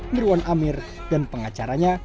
nirwan amir dan pengacaranya